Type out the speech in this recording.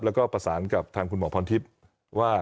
แล้วก็ประสานกับทางคุณหมอพรทิพย์ว่า